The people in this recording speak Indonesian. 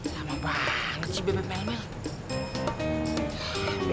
lama banget sih bebek mel mel